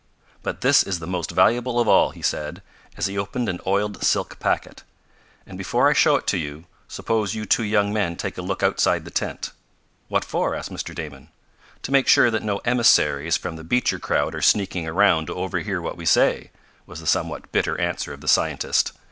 "But this is the most valuable of all," he said, as he opened an oiled silk packet. "And before I show it to you, suppose you two young men take a look outside the tent." "What for?" asked Mr. Damon. "To make sure that no emissaries from the Beecher crowd are sneaking around to overhear what we say," was the somewhat bitter answer of the scientist.